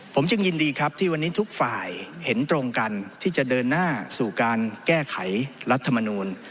ผมจึงยินดีครับที่วันนี้ทุกฝ่ายเห็นตรงกันที่จะเดินหน้าสู่การแก้ไขรัฐมนูล